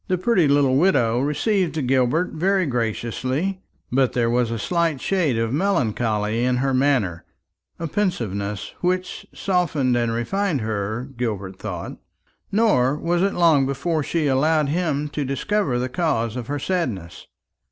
The pretty little widow received Gilbert very graciously; but there was a slight shade of melancholy in her manner, a pensiveness which softened and refined her, Gilbert thought. Nor was it long before she allowed him to discover the cause of her sadness.